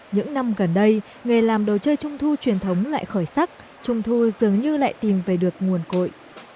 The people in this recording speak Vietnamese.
những năm gần đây nghề làm đồ chơi trung thu truyền thống lại khởi sắc trung thu dường như lại tìm về được nguồn cội